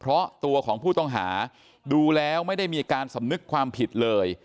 เพราะตัวของผู้ต้องหาดูแล้วไม่ได้มีการสำนึกความผิดเลย